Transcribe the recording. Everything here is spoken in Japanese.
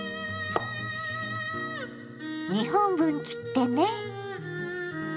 ２本分切ってね。